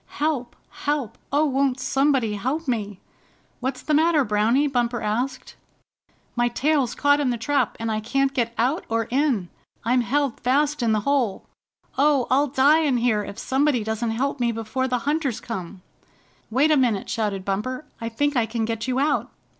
"Help! Help! Oh, won't somebody help me?" "What's the matter, Browny?" Bumper asked. "My tail's caught in the trap, and I can't get out or in. I'm held fast in the hole. Oh, I'll die here if somebody doesn't help me before the Hunters come." "Wait a minute!" shouted Bumper. "I think I can get you out."